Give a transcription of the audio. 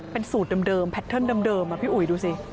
เป็นสูตรเดิมแพทเทิร์นเดิมพี่อุ๋ยดูสิ